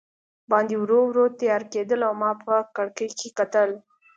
باندې ورو ورو تیاره کېدل او ما په کړکۍ کې کتل.